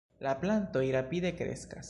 La plantoj rapide kreskas.